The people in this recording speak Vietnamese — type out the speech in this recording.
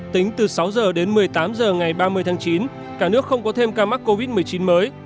tính từ sáu h đến một mươi tám h ngày ba mươi tháng chín cả nước không có thêm ca mắc covid một mươi chín mới